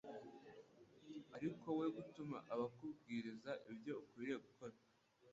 ariko we gutuma bakubwiriza ibyo ukwiye gukora